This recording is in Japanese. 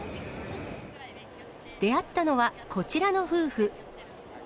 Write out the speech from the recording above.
出会ったのは、こちらの夫婦。